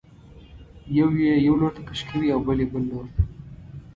یو یې یو لورته کش کوي او بل یې بل لورته.